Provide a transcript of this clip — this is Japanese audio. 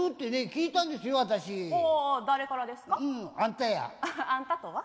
あんたとは？